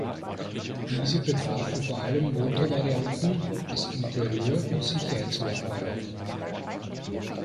Diese betrafen vor allem Motorvarianten, das Interieur und Sicherheitsmerkmale.